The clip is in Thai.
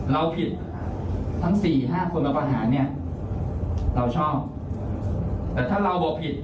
เราผิดทั้งสี่ห้าคนมาประหารเนี่ยเราชอบแต่ถ้าเราบอกผิด